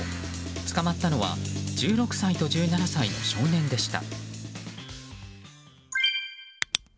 捕まったのは１６歳と１７歳の少年でした。